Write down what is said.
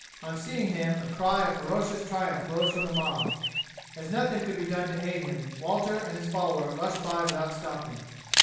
On seeing him a cry of ferocious triumph rose from the mob. As nothing could be done to aid him Walter and his follower rushed by without stopping.